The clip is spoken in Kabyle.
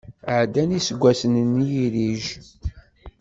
Ɛeddan yiseggasen n yirrij.